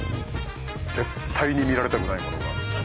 絶対に見られたくないものが。